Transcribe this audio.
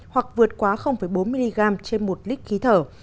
hoặc vượt quá bốn mg trên một lít khí thở